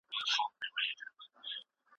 دا موضوع د پوهنتون په سطحه ډېره مهمه وه.